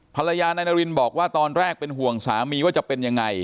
ภรรยานายนารินบอกว่าตอนแรกเป็นห่วงสามีว่าจะเป็นยังไง